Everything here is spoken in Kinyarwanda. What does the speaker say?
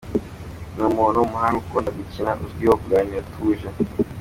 Ni umuntu w’umuhanga, ukunda gukina, azwiho kuganira atuje.